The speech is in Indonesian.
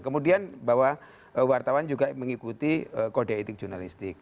kemudian bahwa wartawan juga mengikuti kode etik jurnalistik